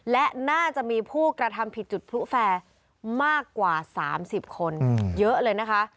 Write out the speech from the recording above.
และน่าจะมีผู้กระทำผิดจุดพลุแฟร์มากกว่า๓๐คนเยอะเลยนะคะ